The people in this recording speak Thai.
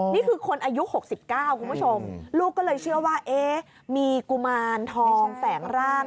นี่คือคนอายุ๖๙คุณผู้ชมลูกก็เลยเชื่อว่าเอ๊ะมีกุมารทองแฝงร่าง